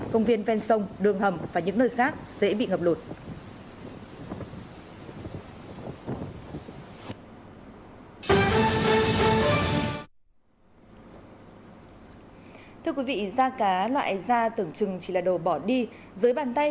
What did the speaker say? công viên ven sông đường hầm và những nơi khác sẽ bị ngập lụt